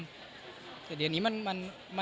มันเกินมือไปแล้วอะฮะ